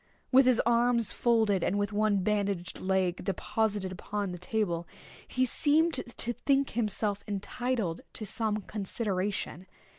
With his arms folded, and with one bandaged leg deposited upon the table, he seemed to think himself entitled to some consideration.